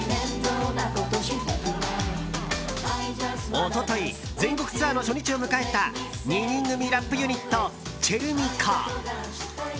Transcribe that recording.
一昨日、全国ツアーの初日を迎えた２人組ラップユニットｃｈｅｌｍｉｃｏ。